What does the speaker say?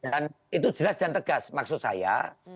dan itu jelas dan tegas maksud saya